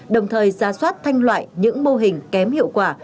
đồng thời ra soát thanh loại những mô hình kém hiệu quả